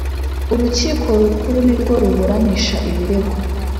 Urukiko Rukuru ni rwo ruburanisha ibirego.